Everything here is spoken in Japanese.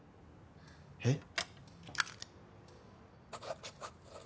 えっ？